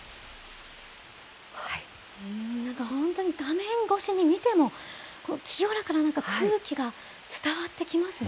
なんか、本当に画面越しに見ても、清らかな空気が伝わってきますね。